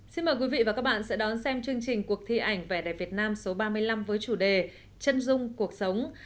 xin mời quý vị và các bạn sẽ đón xem chương trình cuộc thi ảnh vẻ đẹp việt nam số ba mươi năm với chủ đề chân dung cuộc sống